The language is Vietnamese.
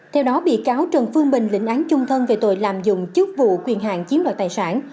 theo đó bị cáo trần phương bình lĩnh án chung thân về tội làm dụng chức vụ quyền hạng chiếm loạt tài sản